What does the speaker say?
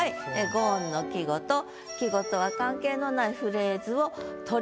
５音の季語と季語とは関係のないフレーズを取り合わせる。